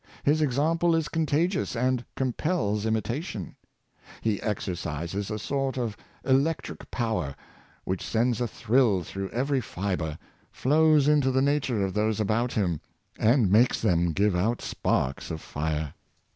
His example is contagious, and compels imitation. He exercises a sort of electric power, which sends a thrill hispiratioji of Great Men. 135 through every fibre, flows into the nature of those about him, and makes them give out sparks of Are.